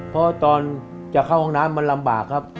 เพราะตอนจะเข้าห้องน้ำมันลำบากครับ